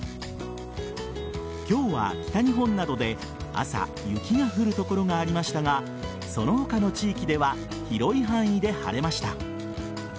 今日は北日本などで朝、雪が降る所がありましたがその他の地域では広い範囲で晴れました。